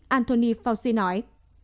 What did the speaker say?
anthony fauci nói